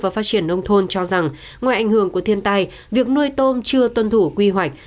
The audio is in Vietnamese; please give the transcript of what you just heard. và phát triển nông thôn cho rằng ngoài ảnh hưởng của thiên tai việc nuôi tôm chưa tuân thủ quy hoạch